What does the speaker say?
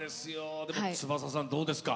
翼さん、どうですか。